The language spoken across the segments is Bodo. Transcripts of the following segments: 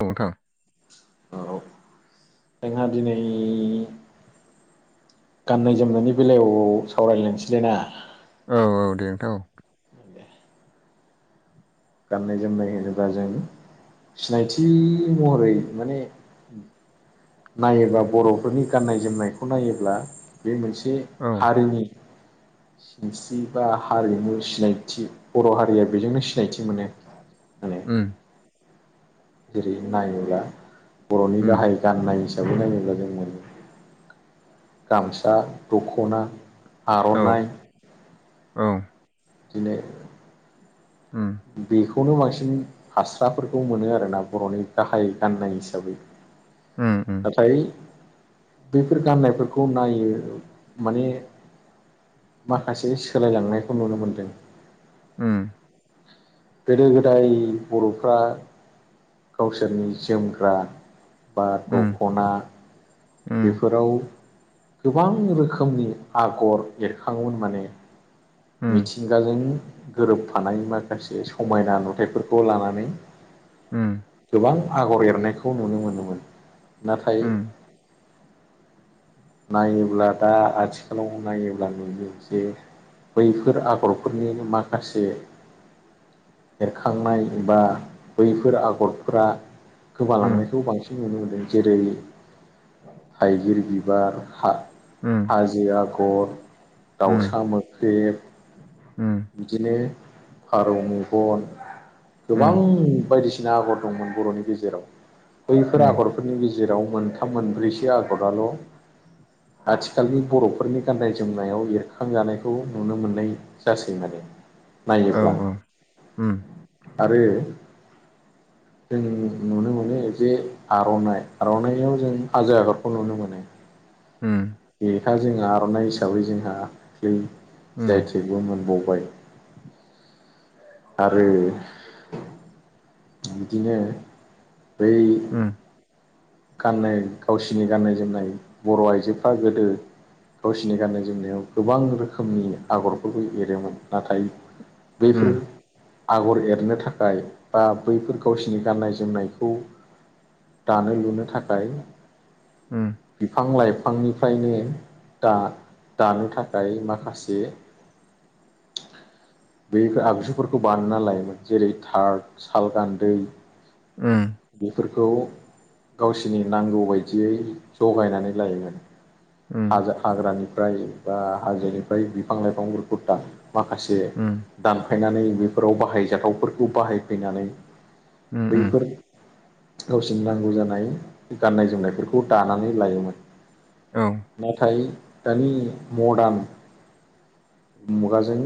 औ नोंथां औ जोंहा दिनै गाननाय जोमनायनि बेलायाव सावरायलायनोसैलै ना औ औ दे नोंथां औ गाननाय जोमनाय होनोबा जों सिनायथि महरै माने नायोबा बर'फोरनि गाननाय जोमनायखौ नायोब्ला बे मोनसे औ हारिनि सिनस्रि बा हारिमु सिनायथि बर' हारिया बेजोंनो सिनायथि मोनो माने ओम जेरै- नायोब्ला बर'नि उम गाहाय गाननाय हिसाबै नायोब्ला जों नुनो मोनो गामसा दख'ना औ आर'नाइ औ दिनै ओम। बेखौनो बांसिन हास्राफोरखौ मोनो आरोना बर'नि गाहाय गाननाय हिसाबै। उम उम। नाथाय बैफोर गाननायफोरखौ नायो माने माखासे सोलायलांनायखौ नुनो मोनदों। ओम। गोदो गोदाय बर'फ्रा गावसोरनि जोमग्रा बा उम दख'ना उम बेफोराव गोबां रोखोमनि आगर एरखाङोमोन माने उम मिथिंगाजों गोरोबफानाय माखासे समायना नुथायफोरखौ लानानै ओम। गोबां आगर एरनायखौ नुनो मोनोमोन नाथाय उम नायोब्ला दा आथिखालाव नायोब्ला नुयो एससे बैफोर आगरफोरनि माखासे एरखांनाय बा बैफोर आगरफोरा उम गोमालांनायखौ बांसिन नुनो मोनदों जेरै थाइगिर बिबार हा ओम। काजि आगर दाउसा मोख्रेब। उम बिदिनो फारौ मेगन। गोबां उम बायदिसिना आगर दंमोन बर'नि गेजेराव बैफोर उम आगरफोरनि गेजेराव जेराव मोनथाम मोनब्रैसो आगरल'। आथिखालनि बर'फोरनि गाननाय जोमनायाव एरखांजानाय खौ नुनो मोननाय जासगोन औ नायोब्ला। औ उम आरो जों नुनो मोनो जे आर'नाइ आर'नाइाव जों हाजो आगादखौ नुनो मोनो। उम बेहा जों आर'नाइ हिसाबै जोंहा हाखै उम उम जाय थेबो मोनबावबाय। आरो बिदिनो बै ओम। गाननाय गावसिनि गाननाय जोमनाय बर' आइजोफ्रा गोदो गावसिोरनि गाननाय जोमनायाव गोबां रोखोमनि आगरफोरबो एरोमोन नाथाय बैफोर आगर एरनो थाखाय बा बैफोर गावसिनि गाननाय जोमनायखौ दानो लुनो थाखाय। उम। बिफां लाइफांनिफ्रायनो दा दानो थाखाय माखासे बे आगजुफोरखौ बानायना लायोमोन जेरै थार साल गान्दै ओम। बेफोरखौ गावसिनि नांगौ बायदियै जगायनानै लायोमोन। उम हाजो हाग्रानिफ्राय बा हाजोनिफ्राय बिफां लाइफां गुरफुर दां माखासे दानफायनानै बेफोराव बाहायजाथावफोरखौ बाहायफैनानै उम औ उम उम बैफोर गावसिनि नांगौ जानाय गाननाय जोमनायफोरखौ दानानै लायोमोन। औ। नाथाय दानि मडारन मुगाजों।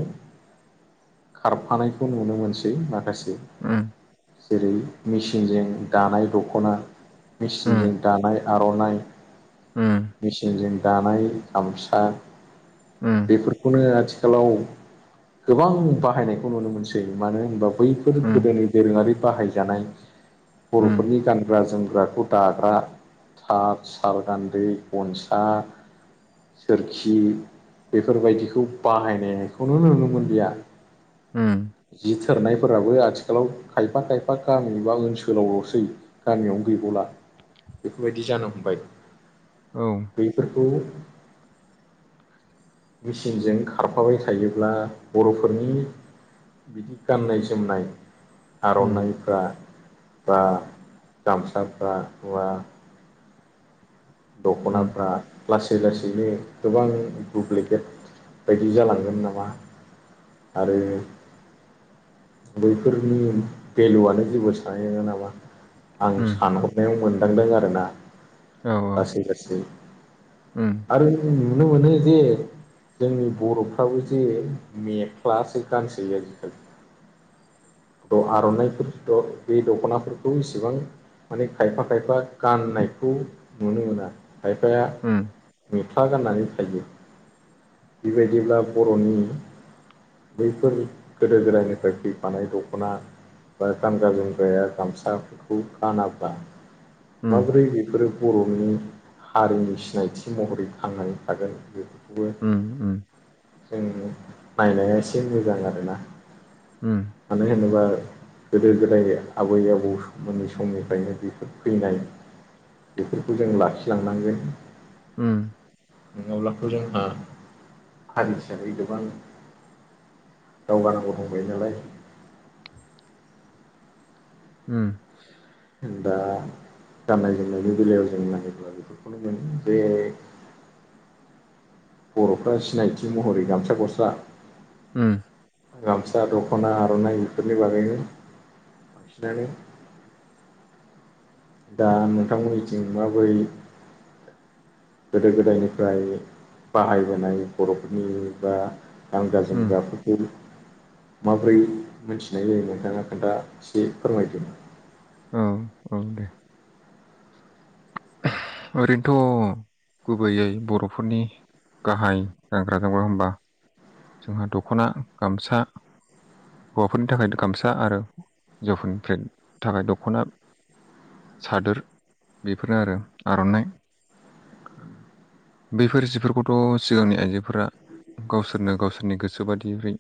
खारफानायखौ नुनो मोनसै माखासे जेरै मेचिनजों दानाय दख'ना। मेचिनजों दानाय आर'नाइ मेचिनजों दानाय गामसा उम बेफोरखौनो आथिखालाव गोबां बाहायनायखौ नुनो मोनसै मानो होनबा बै बे फोर गोदोनि दोरोङारि बाहायजानाय उम औ उम बर'फोरनि गानग्रा जोमग्राखौ दाग्रा थाब साल गान्दै गनसा सोरखि बेफोरबायदिखौ बाहायनायखौनो नुनो मोनलिया उम जि थोरनायफोराबो आथिखालाव खायफा खायफा गामि बा ओनसोलावल'सै गामियावनो गैबावला बेफोरबायदि जानो हमबाय औ बेफोरखौ मेचिनजों खारफाबाय थायोब्ला बर'फोरनि बिदि गाननाय-जोमनाय उम आर'नाइफ्रा बा गामसाफ्रा बा दख'नाफ्रा लासै लासैनो गोबां दुप्लिकेट बायदि जालांगोन नामा आरो बैफोरनि भेलुआनो जेबो सान [unintelligible] नामा आं सानहरनायाव मोनदांदों आरोना औ [unintelligible] उम आरो नुनो मोनो जे जोंनि बर'फ्राबो जे मेख्लासो गानसै आजिखालि थ' आर'नाइफोरथ' बे दख'नाफोरखौ इसिबां माने खायफा खायफा गाननायखौ नुनो मोना खायफाया मुखला गाननानै थायो बेबायदिब्ला बर'नि बैफोर गोदो गोदायनिफ्राय फैफानाय दख'ना बा गानग्रा जोमग्राया गामसाखौ गानाब्ला उम माबोरै बेफोरो बर'नि हारिनि सिनायथि महरै थांनानै थागोन बेफोरखौबो उम जों नायनाया एसे मोजां आरोना उम उम मानो होनोबा गोदो गोदाय आबै आबौमोननि समनिफ्रायनो बेफोर फैनाय बेफोरखौ जों लाखिलांनांगोन उम नङाब्लाथ' जोंहा हारि हिसाबै गोबां दावगानांगौ दंबायो नालाय ओम। दा गाननाय जोमनायनि बेलायाव जों नायोब्ला बेफोरखौनो मोनो बे बर'फ्रा सिनायथि महरै गामसा गस्ला ओम। गामसा दख'ना आर'नाइ बेफोरनि बागैनो बांसिनानो दा नोंथांमोननिथिं माबोरै गोदो गोदायनिफ्राय बाहायबोनाय बर'फोरनि बा गानग्रा उम जोमग्राफो थबि माब्रै मोनथिनाय जायो नोंथाङा खोन्था एसे फोरमायदो औ-औ दे। सोह ओरैनथ' गुबैयै बर'फोरनि गाहाय गानग्रा जोमग्रा होमबा जोंहा दख'ना गामसा हौवाफोरनि थाखाय दो गामसा आरो हिन्जावफोरनि फ्राय थाखाय दख'ना सादोर बेफोरनो आरो आर'नाइ बैफोर जिफोरखौथ' सिगांनि आइजोफोरा गावसोरनो-गावसोरनि गोसो बादि होय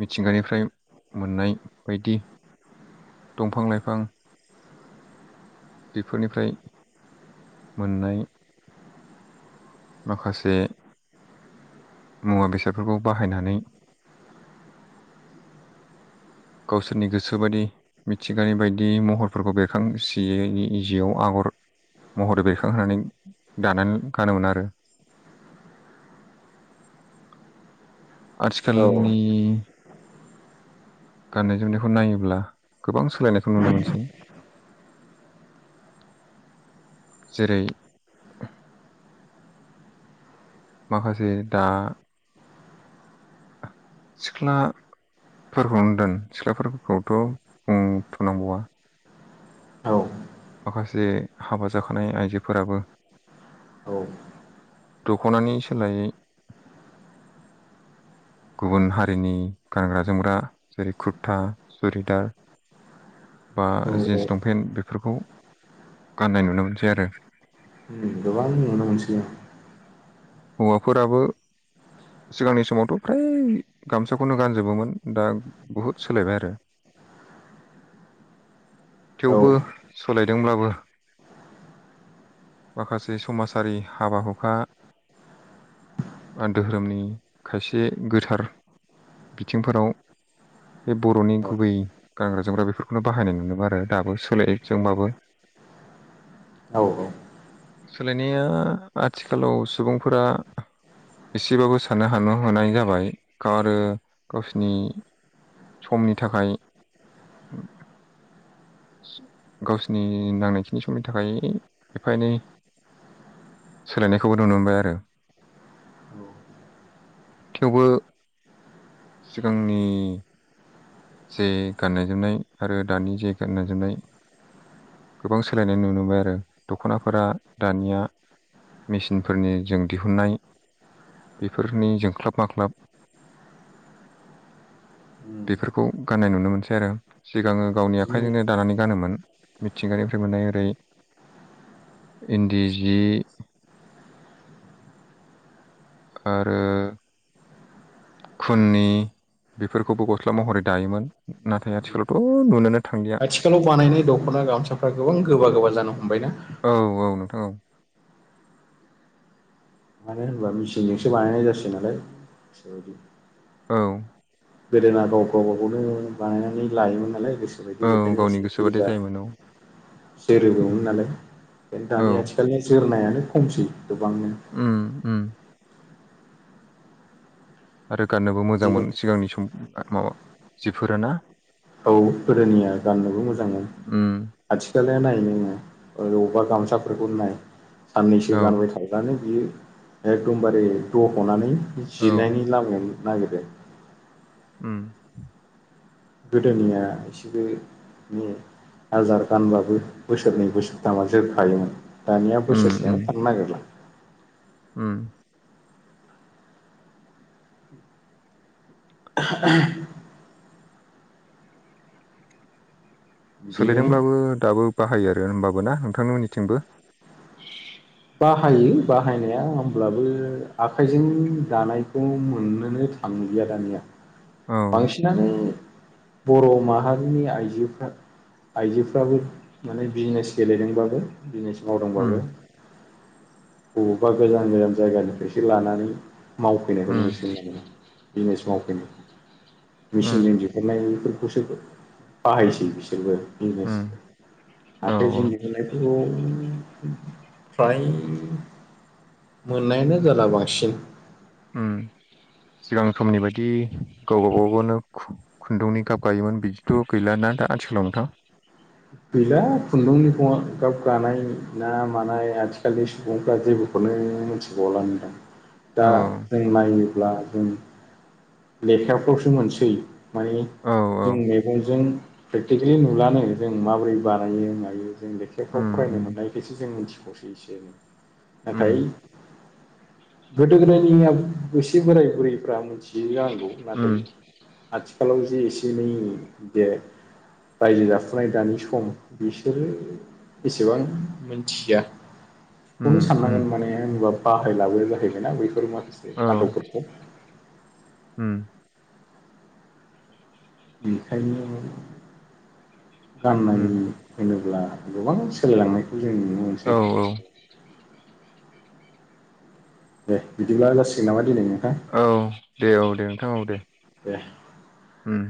मिथिंगानिफ्राय मोननाय बायदि दंफां लाइफां बेफोरनिफ्राय मोननाय माखासे मुवा बेसादफोरखौ बाहायनानै गावसोरनि गोसो बादि मिथिंगानि बायदि महरफोरखौ बेरखां सियै जिआव आगर महरै बेरखांहोनानै दानानै गानोमोन आरो। औ आथिखालनि गाननाय जोमनायखौ नायोब्ला गोबां सोलायनायखौ नुनो मोनसै। जेरै माखासे दा सिख्ला फोरखौनो दोन सिख्लाफोरखौथ' बुंथ'नांबावा। औ। माखासे हाबा जाखानाय आइजोफोराबो औ। दख'नानि सोलायै गुबुन हारिनि गानग्रा जोमग्रा जेरै कुरथा, सुरिदार बा जिन्स औ लंफेन बेफोरखौ गाननाय नुनो मोनसै आरो। ओम गोबां नुनो मोनसै ओम। हौवाफोराबो सिगांनि समावथ' फ्राय गामसाखौनो गानजोबोमोन। दा बुहुद सोलायबाय आरो। औ थेवबो सोलायदोंब्लाबो माखासे समासारि हाबा हुखा ओन धोहोरोमनि खायसे गोथार बिथिंफोराव बे बर'नि औ गुबै गानग्रा जोमग्रा बेफोरखौनो बाहायनाय नुनोमो आरो दाबो सोलाय जोंबाबो। औ औ। सोलायनाया आथिखालाव सुबुंफोरा एसेबाबो साननो हानो हनाय जाबाय गाव आरो गावसिनि समनि थाखाय सो गावसिनि नांनायखिनि समनि थाखाय एफा एनै सोलायनायखौबो नुनो मोनबाय आरो। थेवबो सिगांनि जे गाननाय जोमनाय आरो दानि जे गाननाय जोमनाय गोबां सोलायनाय नुनो मोनबाय आरो दख'नाफोरा दानिया मेसिनफोरनि जों दिहुननाय बेफोरनि जोंख्लाब माख्लाब उम। खौ गाननाय नुनो मोनसै आरो सिगाङो गावनि बिदिनो आखाइजोंनो दानानै गानोमोन। मिथिंगानिफ्राय मोननाय ओरै इन्दि जि आरो खुुननि बेफोरखौबो गस्ला महरै दायोमोन। नाथाय आथिखालावथ' नुनोनो थांलिया आथिखालाव बानायनाय दख'ना गामसाफ्रा गोबां गोबा गोबा जानो हमबायना? औ औ नोंथां औ। मानो होनबा मेचिनजोंसो बानायनाय जासै नालाय बेबायदि। औ। गोदोना गाव गावबा गावनो बानायनानै लायोमोन नालाय गोसोबायदि औ बेखायनो गावनि एसे गोसो बादि सुबिदा जायोमोन औ जोरोबोमोन नालाय दानि औ दानि आथिखालनि जोरनायानो खमसै गोबांनो। उम उम। आरो गाननोबो बिदिनो मोजांमोन सिगांनि सम आर माबा जिफोरा ना। औ गोदोनिया गाननोबो मोजां मोन। उम आथिखालनिया नायनो रोङा ओरै अबेबा गामसाफोरखौ नाय साननैसो औ गानबायथाय दानो बियो एखदमबारे दह'नानै औ जिरनायनि लामायाव नागिरो। उम। गोदोनिया एसेबो नि हाजार गानबाबो बोसोरनै बोसोरथामा जोरखायोमोन। दानिया उम उम बोसोरसेयानो थांनो नागिरला। उम। [inaudible] बिदिनो सोलायदोंब्लाबो दाबो बाहायो आरो होमबाबोना नोंथांमोननिथिंबो? बाहायो बाहायनाया होमब्लाबो आखाइजों दानाय खौ मोननोनो थांलिया दानिया। औ बांसिनानो बर' माहारिनि आइजोफ्रा आइजोफ्राबो माने बिजनेस गेलेदोंबाबो बिजनेस मावदोंबाबो उम बबेबा गोजान गोजान जायगानिफ्रायसो लानानै मावफैनायखौ उम नुसिगोन माने। बिजिनेस मावफैनो उम मेचिनजों दिरु ननाय फोरखौसो गो बाहायसै बिसोरबो। बिजिनेस उम औ आखाइजों दिहुननायखौ फ्राय मोननायानो जाला बांसिन। उम सिगां समनि बायदि गावबा गावनो खु खुन्दुंनि गाब गायोमोन बिदिथ' गैलाना दा आथिखालाव नोंथां? गैला खुन्दुंनिखौया गाब गानाय ना मानाय आथिखालनि सुबुंफ्रा जेबो खौनो मिथिबावलानो दां। दा औ जों नायोब्ला जों लेखाफ्रावसो मोनसै माने औ औ जों मेगंजों प्रेकटिकेलि नुलानो जों माबोरै बानायो मायो जों उम लेखाफ्राव फरायनो उम मोननायखायसो जों मिथि बावसै एसे। उम नाथाय गोदो गोदायनि नेम एसे बोराय बुरैफ्रा मोन्थि यो जानांगौ नाथाय उम आथिखालाव जे एसे एनै बे रायजो जाफुनाय दानि सम बिसोरो एसेबां मिन्थिया खौनो उम साननांगोन उम माने होनबा बाहायलाबो जाहैबायना बैफोर माखासे औ आदबफोरखौ उम बेखायनो गाननाय उम होनोब्ला गोबां सोलायलांनायखौ जों मोनसै औ औ। दे बिदिब्ला जासिगोन नामा दिनै नोंथां? औ दे औ दे नोंथां औ दे दे उम।